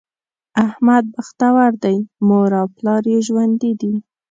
احمد بختور دی؛ مور او پلار یې ژوندي دي.